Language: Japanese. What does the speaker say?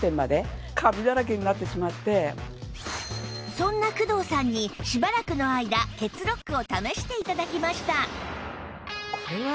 そんな工藤さんにしばらくの間ケツロックを試して頂きました